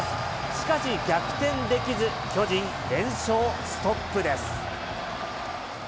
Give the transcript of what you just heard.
しかし逆転できず、巨人、連勝ストップです。